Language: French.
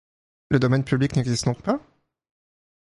Le domaine public n'existe donc pas?